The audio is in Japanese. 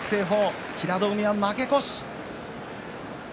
平戸海は負け越し。